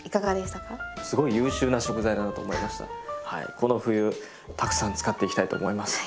この冬たくさん使っていきたいと思います。